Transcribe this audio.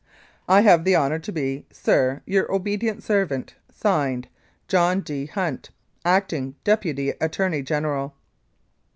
I have the honour to be, Sir, Your obedient servant, (Signed) JOHN D. HUNT, Acting Deputy Attorney General.